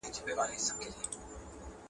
د همدې له برکته موږ ولیان یو ,